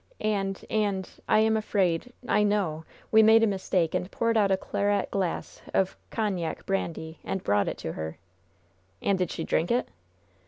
And and I am afraid I know we made a mistake and poured out a claret glass full of cognac brandy and brought it to her." "And did she drink it?"